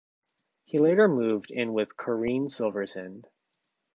He later moved in with Corinne Silverton.